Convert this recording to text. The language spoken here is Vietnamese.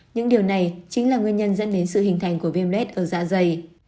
những điều này chính là nguyên nhân dẫn đến sự hình thành của viêm lết ở dạ dày